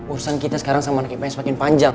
urusan kita sekarang sama anak ips makin panjang